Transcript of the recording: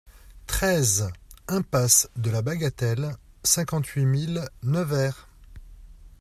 treize impasse de la Bagatelle, cinquante-huit mille Nevers